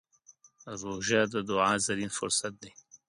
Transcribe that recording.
روژه د دعا زرين فرصت دی.